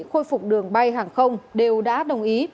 khôi phục đường bay hàng không đều đã đồng ý